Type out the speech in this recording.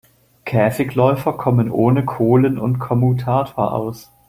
Käfigläufer kommen ohne Kohlen und Kommutator aus.